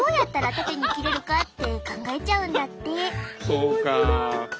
そうか。